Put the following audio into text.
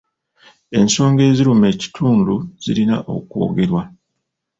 Ensonga eziruma ekitundu zirina okwogerwa.